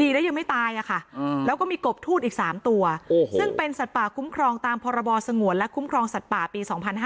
ดีแล้วยังไม่ตายอะค่ะแล้วก็มีกบทูตอีก๓ตัวซึ่งเป็นสัตว์ป่าคุ้มครองตามพรบสงวนและคุ้มครองสัตว์ป่าปี๒๕๕๙